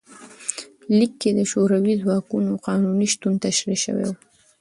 لیک کې د شوروي ځواکونو قانوني شتون تشریح شوی و.